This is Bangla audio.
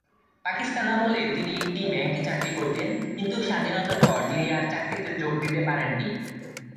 পাকিস্তান আমলে তিনি একটি ব্যাংকে চাকরি করতেন, কিন্তু স্বাধীনতার পর তিনি আর চাকরিতে যোগ দিতে পারেননি।